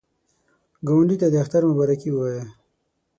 ګاونډي ته د اختر مبارکي ووایه